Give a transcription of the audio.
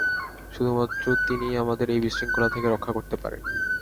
শুধুমাত্র তিনিই আমাদের এই বিশৃঙ্খলা থেকে রক্ষা করতে পারেন!